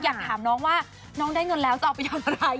อยากถามน้องว่าน้องได้เงินแล้วจะเอาไปทำอะไร